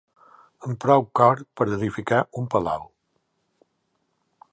Amb prou cor per a edificar un palau.